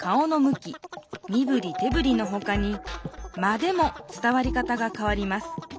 きみぶりてぶりのほかに「間」でも伝わり方がかわります。